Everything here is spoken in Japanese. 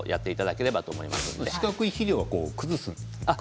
四角い肥料は崩すんですか。